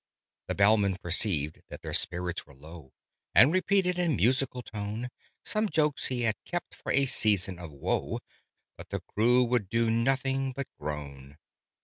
The Bellman perceived that their spirits were low, And repeated in musical tone Some jokes he had kept for a season of woe But the crew would do nothing but groan.